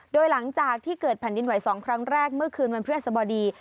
โดยหลังจากที่เกิดแผ่นดินไหว๒ครั้งแรกเมื่อคืนวันพฤหัสบดี